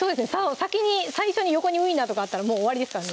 先に最初に横にウインナーとかあったらもう終わりですからね